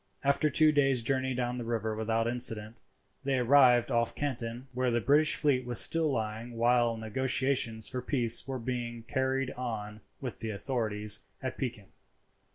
After two days' journey down the river without incident, they arrived off Canton, where the British fleet was still lying while negotiations for peace were being carried on with the authorities at Pekin.